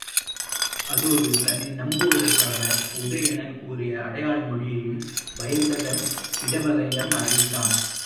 அதோடு தன்னை நம்புவதற்காக உதயணன் கூறிய அடையாள மொழியையும் வயந்தகன், இடவகனிடம் அறிவித்தான்.